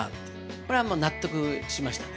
これは納得しましたね。